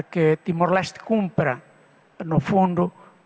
agar timor leste memperoleh